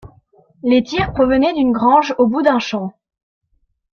Les tirs provenaient d’une grange au bout d’un champ.